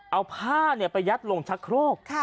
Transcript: เอาผ้าไปยัดลงชักโครก